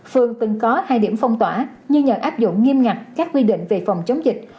phường từng có hai điểm phong tỏa nhưng nhờ áp dụng nghiêm ngặt các quy định về phòng chống dịch